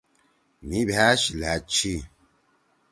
مھی بھأش لھأد چھی